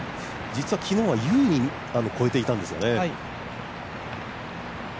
実は昨日は優に越えていたんですよね。